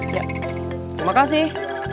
ya terima kasih